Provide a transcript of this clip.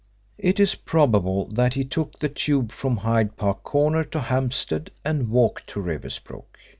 It is probable that he took the Tube from Hyde Park Corner to Hampstead and walked to Riversbrook.